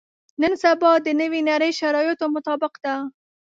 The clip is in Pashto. نن سبا د نوې نړۍ شرایطو مطابق ده.